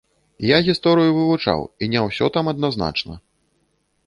Я гісторыю вывучаў, і не ўсё там адназначна.